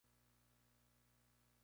Posteriormente se dedicó a la narrativa.